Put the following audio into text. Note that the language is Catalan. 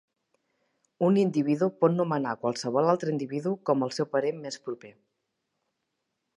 Un individu pot nomenar a qualsevol altre individu com el seu parent més proper.